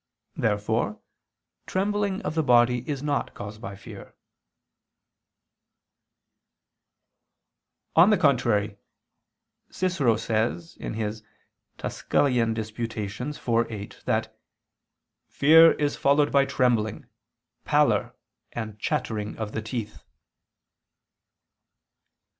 Therefore trembling of the body is not caused by fear. On the contrary, Cicero says (De Quaest. Tusc. iv, 8) that "fear is followed by trembling, pallor and chattering of the teeth."